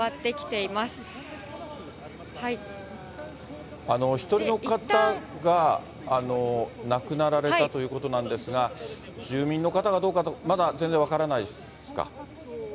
お一人の方が、亡くなられたということなんですが、住民の方かどうかというのは、まだ全然分からないですか。